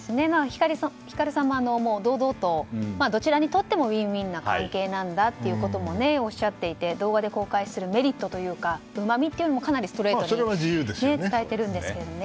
ヒカルさんも堂々とどちらにとってもウィンウィンな関係なんだということもおっしゃっていて動画で公開するメリットというかうまみっていうのもかなりストレートにそれは自由ですよね。